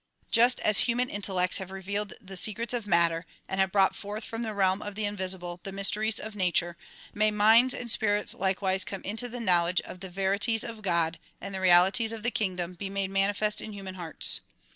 Just as human intellects have revealed the secrets of matter and have brought forth from the realm of the invisible the mys teries of nature, may minds and spirits likewise come into the knowledge of the verities of God, and the realities of the kingdom be made manifest in human hearts.